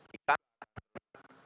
kita ingin mengingatkan